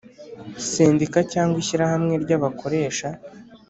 Sendika cyangwa ishyirahamwe ry abakoresha